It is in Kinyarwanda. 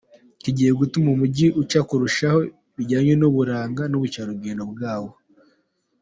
Kigiye gutuma umujyi ucya kurushaho, bijyanye n’uburanga n’ubukerarugendo bwawo.